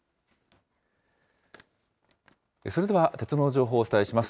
それでは、鉄道の情報をお伝えします。